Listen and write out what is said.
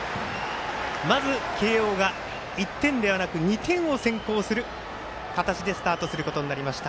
まず、慶応が１点ではなく２点を先行する形でスタートする形になりました。